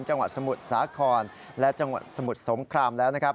จังหวัดสมุทรสาครและจังหวัดสมุทรสงครามแล้วนะครับ